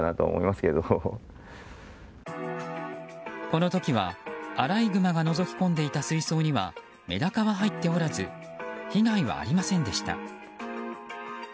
この時はアライグマがのぞき込んでいた水槽にはメダカは入っておらず被害はありませんでした。